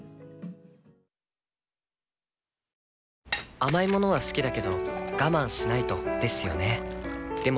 甘い物は好きだけど我慢しないとですよね